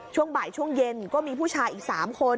ช่วงบ่ายช่วงเย็นก็มีผู้ชายอีก๓คน